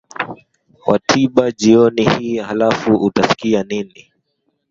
watiba jioni hii halafu utasikia nini